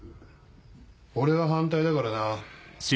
俺は反対だからな。